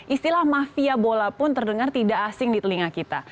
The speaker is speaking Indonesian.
istilah mafia bola pun terdengar tidak asing di telinga kita